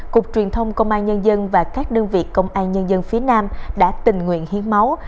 cục truyền thông công an nhân dân và các đơn vị công an nhân dân phía nam đã tình nguyện hiến máu